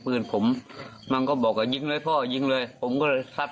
ปืนผมมันก็บอกว่ายิงเลยพ่อยิงเลยผมก็เลยทับ